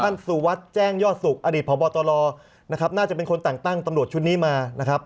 ด้านสู่วัดแจ้งยอดศุกร์อดีตพบตลนะครับน่าจะเป็นคนต่างตั้งตำรวจชุดนี้มานะครับ